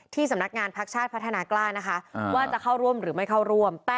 สำนักงานพักชาติพัฒนากล้านะคะว่าจะเข้าร่วมหรือไม่เข้าร่วม